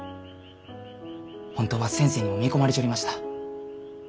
本当は先生にも見込まれちょりました。